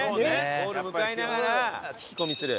ゴール向かいながら聞き込みする。